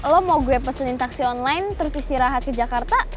lo mau gue pesenin taksi online terus istirahat ke jakarta